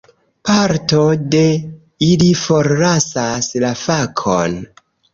Parto de ili forlasas la fakon.